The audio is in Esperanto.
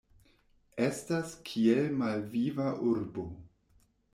Estas kiel malviva urbo.